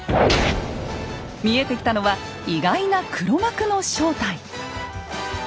見えてきたのは意外な黒幕の正体！